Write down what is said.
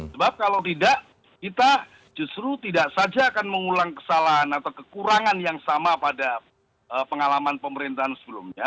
sebab kalau tidak kita justru tidak saja akan mengulang kesalahan atau kekurangan yang sama pada pengalaman pemerintahan sebelumnya